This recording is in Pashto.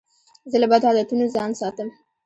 زه له بدو عادتو ځان ساتم.